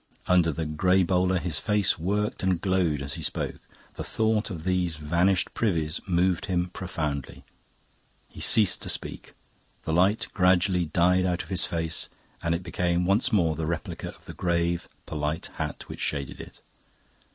Under the grey bowler his face worked and glowed as he spoke. The thought of these vanished privies moved him profoundly. He ceased to speak; the light gradually died out of his face, and it became once more the replica of the grave, polite hat which shaded it.